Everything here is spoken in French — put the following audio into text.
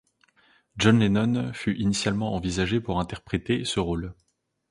John Lennon fut initialement envisagé pour interpréter ce rôle.